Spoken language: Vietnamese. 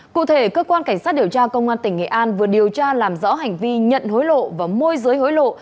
cụ thể cơ quan cảnh sát điều tra công an tỉnh nghệ an vừa điều tra làm rõ hành vi nhận hối lộ và môi giới hối lộ